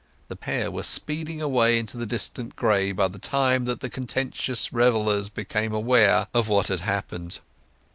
The pair were speeding away into the distant gray by the time that the contentious revellers became aware of what had happened.